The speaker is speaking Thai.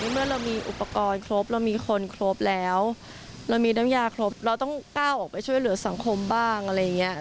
เมื่อเรามีอุปกรณ์ครบเรามีคนครบแล้วเรามีน้ำยาครบเราต้องก้าวออกไปช่วยเหลือสังคมบ้างอะไรอย่างนี้